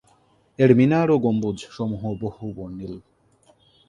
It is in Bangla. এর মিনার ও গম্বুজ সমূহ বহুবর্ণিল।